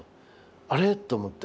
あれっと思って